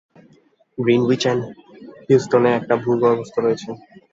Greenwich and হিউস্টনে একটি ভূগর্ভস্থ রয়েছে।